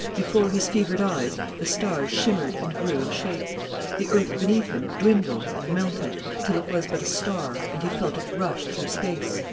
Before his fevered eyes the stars shimmered and grew in shape: the earth beneath him dwindled and melted, till it was but a star and he felt its rush through space.